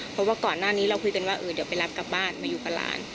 เพราะว่าก่อนหน้านี้เราคุยกันว่าเดี๋ยวไปรับกลับบ้านมาอยู่กับหลาน